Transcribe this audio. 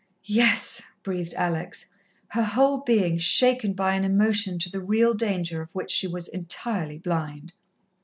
"Yes," breathed Alex, her whole being shaken by an emotion to the real danger of which she was entirely blind.